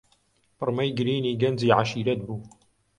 پڕمەی گرینی گەنجی عەشیرەت بوو.